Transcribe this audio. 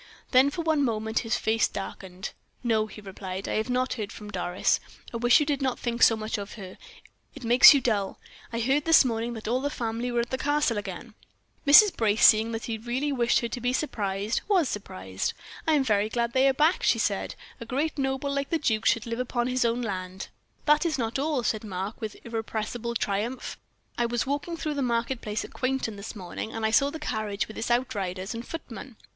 Then for one moment his face darkened. "No," he replied, "I have not heard from Doris. I wish you did not think so much of her; it makes you dull. I heard this morning that all the family were at the Castle again." Mrs. Brace, seeing that he really wished her to be surprised, was surprised. "I am very glad they are back," she said. "A great noble like the duke should live upon his own land." "That is not all," said Mark, with irrepressible triumph. "I was walking through the market place at Quainton this morning, and I saw the carriage with out riders and footmen.